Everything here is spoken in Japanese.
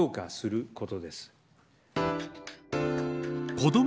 子ども